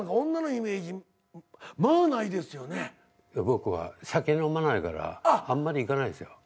僕は酒飲まないからあんまり行かないですよ。